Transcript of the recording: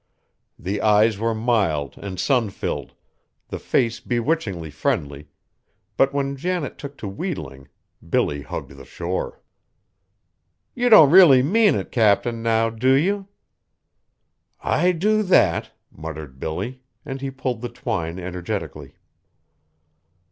The eyes were mild and sun filled, the face bewitchingly friendly; but when Janet took to wheedling, Billy hugged the shore. "You don't really mean it, Cap'n, now, do you?" "I do that!" muttered Billy, and he pulled the twine energetically.